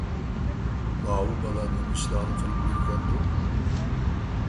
ماۋۇ بالا نېمە ئىشلارنى قىلىپ يۈرگەندۇ؟